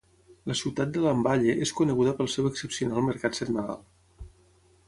La ciutat de Lamballe es coneguda pel seu excepcional mercat setmanal.